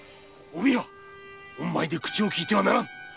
おん前で口をきいてはならぬ！